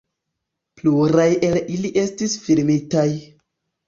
Pluraj el ili estis filmitaj.